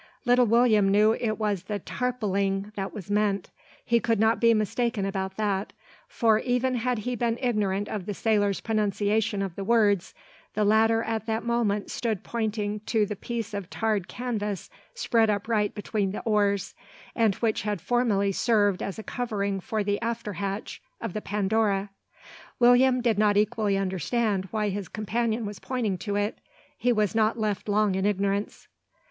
Little William knew it was "the tarpauling" that was meant. He could not be mistaken about that; for, even had he been ignorant of the sailor's pronunciation of the words, the latter at that moment stood pointing to the piece of tarred canvas spread upright between the oars; and which had formerly served as a covering for the after hatch of the Pandora. William did not equally understand why his companion was pointing to it. He was not left long in ignorance.